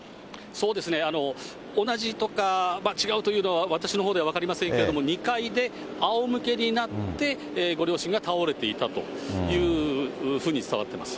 そうですね、同じとか、違うというのは、私のほうでは分かりませんけれども、２階であおむけになって、ご両親が倒れていたというふうに伝わってます。